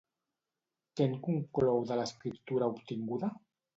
Què en conclou de l'escriptura obtinguda?